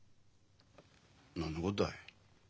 何のことだい？